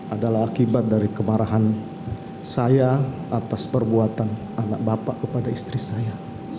adalah akibat dari kemarahan saya atas perbuatan anak bapak kepada istri saya